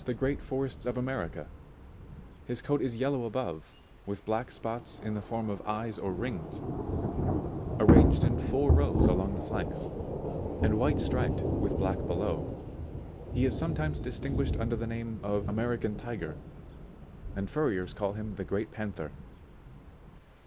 the great forests of America ; his coat is yellow above, with black spots in the form of eyes or rings, arranged in four rows along the flanks, and white striped with black below. He is sometimes distinguished under the name of American Tiger, and furriers call him the Great Panther.